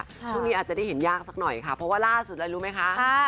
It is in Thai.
ซึ่งเรื่องนี้อาจจะได้เห็นยากสักหน่อยครับเพราะว่าร่าสุดแล้วรู้ไหมคะ